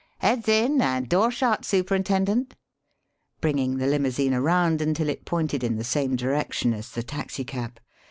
'Eads in and door shut, Superintendent," bringing the limousine around until it pointed in the same direction as the taxicab.